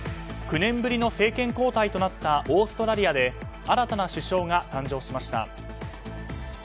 ９年ぶりの政権交代となったオーストラリアで新たな首相が誕生しました。